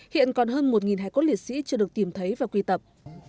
hiện còn hơn một hài cốt liệt sĩ chưa được tìm thấy và quy tập